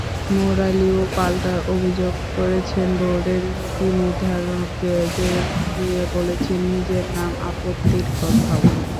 মুরালিও পাল্টা অভিযোগ করেছেন, বোর্ডের নীতিনির্ধারকদের নিয়ে বলেছেন নিজের নানা আপত্তির কথাও।